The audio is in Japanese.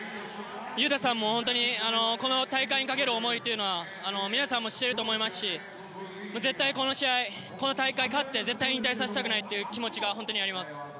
雄太さんも大会にかける思いというのは皆さんも知っていると思いますし絶対この試合この大会に勝って絶対引退させたくない気持ちが本当にあります。